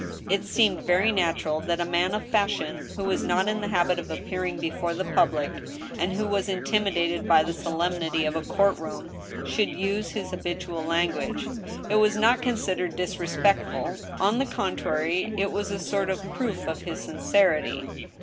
It seemed very natural that a man of fashion, who was not in the habit of appearing before the public, and who was intimidated by the solemnity of a court room, should use his habitual language. It was not considered disrespectful ; on the contrary, it was a sort of proof of his sincerity.